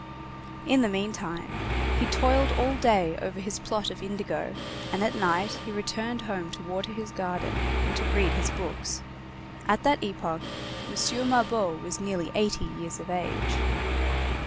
In the meantime, he toiled all day over his plot of indigo, and at night he returned home to water his garden, and to read his books. At that epoch, M. Mabeuf was nearly eighty years of age.